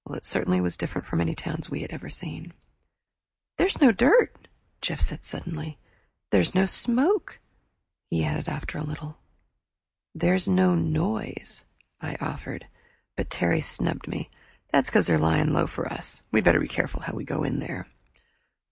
It certainly was different from any towns we had ever seen. "There's no dirt," said Jeff suddenly. "There's no smoke," he added after a little. "There's no noise," I offered; but Terry snubbed me "That's because they are laying low for us; we'd better be careful how we go in there."